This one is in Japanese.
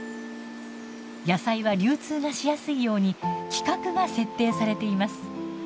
野菜は流通がしやすいように「規格」が設定されています。